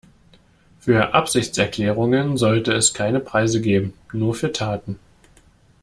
Für Absichtserklärungen sollte es keine Preise geben, nur für Taten.